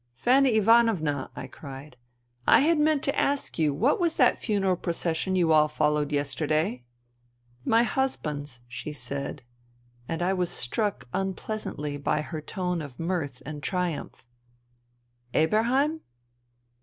" Fanny Ivan ovna," I cried, " I had meant to ask you what was that funeral procession you all followed yesterday ?"" My husband's," she said, and I was struck unpleasantly by her tone of mirth and triumph. " Eberheim